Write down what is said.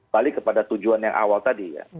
balik kepada tujuan yang awal tadi ya